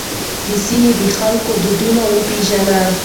د سیمې د خلکو دودونه وپېژنئ.